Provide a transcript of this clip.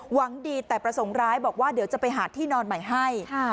หวังดีแต่ประสงค์ร้ายบอกว่าเดี๋ยวจะไปหาที่นอนใหม่ให้